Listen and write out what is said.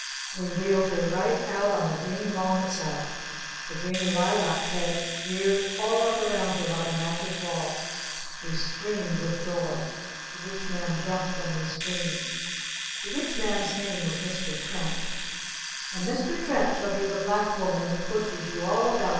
We wheeled her right out on the green lawn itself! The green lilac hedge reared all up around her like a magic wall! We screamed with joy! The Rich Man jumped when we screamed. The Rich Man's name was Mr. Trent. "And Mr. Trent shall be the Black Woman who pushes you all about!"